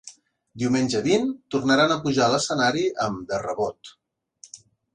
Diumenge vint, tornaran a pujar a l’escenari amb ‘De Rebot’.